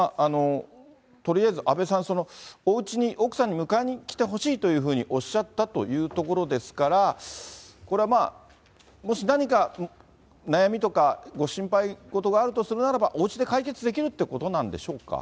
とりあえず、阿部さん、おうちに、奥さんに迎えに来てほしいというふうにおっしゃったというところですから、これはまあ、もし何か悩みとかご心配事があるとするならば、おうちで解決できるということなんでしょうか。